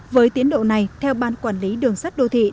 với tiến độ này theo ban quản lý đường sắt đô thị